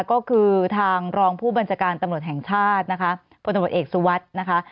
ก็คือทางรองผู้บัญชาการตำรวจแห่งชาตินะคะพลตำรวจเอกสุวัสดิ์นะคะ